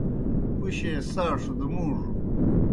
پُشیْ اےْ ساڇھوْ دہ مُوڙوْ